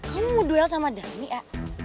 kamu mau duel sama dhani e